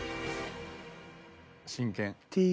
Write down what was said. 真剣。